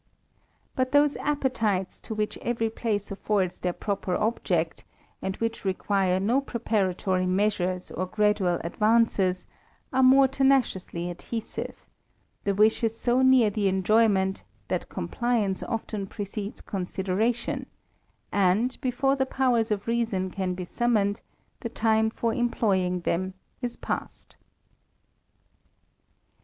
But those appetites which every place affords their proper object, and which'* require no preparatory measures or gradual advances^ ar^ more tenaciously adhesive ; the wish is so near the enjoy ment, that compliance often precedes consideration; and, before the powers of reason can be summoned, the time for employing them is past.